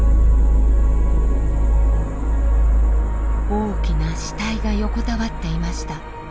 大きな死体が横たわっていました。